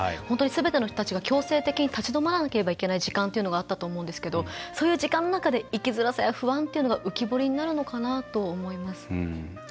本当にすべての人たちが強制的に立ち止まらなければいけない時間というのがあったと思うんですけどそういう時間の中で生きづらさや不安というのが浮き彫りになるのかなと思います。